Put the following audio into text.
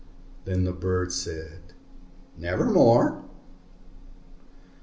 Then the bird said, "Nevermore."